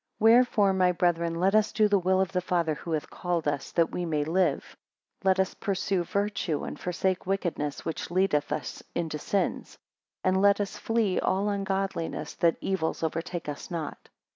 6 Wherefore, my brethren, let us do the will of the Father, who hath called us, that we may live. Let us pursue virtue, and forsake wickedness, which leadeth us into sins; and let us flee all ungodliness, that evils overtake us not.